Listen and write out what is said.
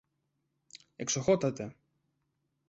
Εξοχώτατε!